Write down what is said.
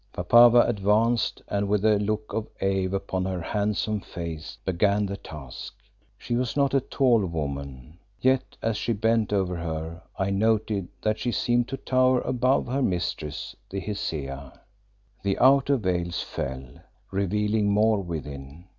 Papave advanced, and with a look of awe upon her handsome face began the task. She was not a tall woman, yet as she bent over her I noted that she seemed to tower above her mistress, the Hesea. The outer veils fell revealing more within.